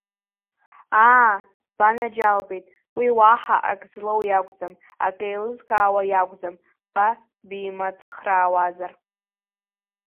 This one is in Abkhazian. Аа, банаџьалбеит, уи уаҳа ак злоу иакәӡам, ак еилызкаауа иакәӡам ба бимыцхраауазар!